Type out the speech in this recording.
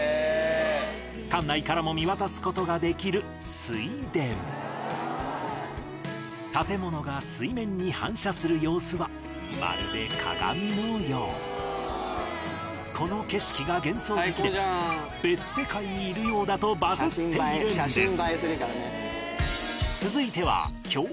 館内からも見渡すことができる水田建物が水面に反射する様子はまるでこの景色が幻想的で別世界にいるようだ！とバズっているんです